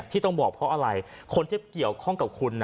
ที่ต้องบอกเพราะอะไรคนที่เกี่ยวข้องกับคุณ